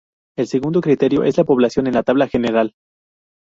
El segundo criterio es la posición en la tabla general.